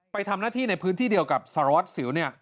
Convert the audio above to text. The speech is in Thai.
ไปทำหน้าที่ในพื้นที่เดียวกับสล็อตสิว